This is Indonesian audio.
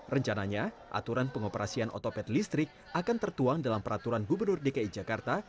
rencananya aturan pengoperasian otopet listrik akan tertuang dalam peraturan gubernur dki jakarta